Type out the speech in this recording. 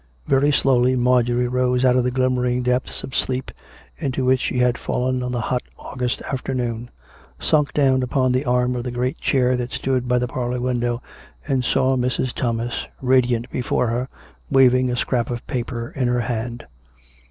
Very slowly Marjorie rose out of the glimmering depths of sleep into which s'he had fallen on the hot August after noon, sunk down upon the arm of the great chair that stood by the parlour window, and saw Mrs. Thomas radiant be fore her, waving a scrap of paper in her hand.